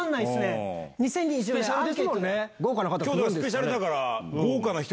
スペシャルだから。